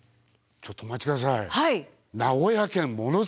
ちょっとお待ち下さい。